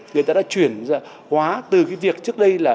người ta đã chuyển hóa từ việc trước đây